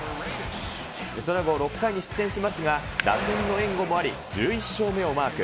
その後、６回に失点しますが、打線の援護もあり、１１勝目をマーク。